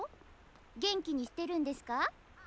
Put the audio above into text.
元気にしてるんですか？